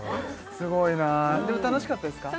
すごいなでも楽しかったですか？